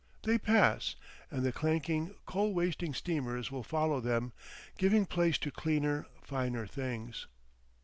They pass, and the clanking coal wasting steamers will follow them, giving place to cleaner, finer things....